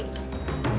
mau apaan gue mau uli